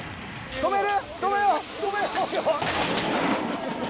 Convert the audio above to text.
止める？